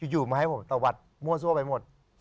อยู่มาให้ผมตะวัดมั่วซั่วไปหมด